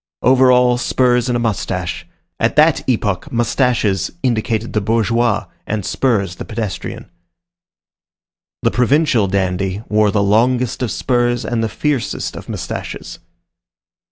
Over all, spurs and a moustache. At that epoch moustaches indicated the bourgeois, and spurs the pedestrian. The provincial dandy wore the longest of spurs and the fiercest of moustaches.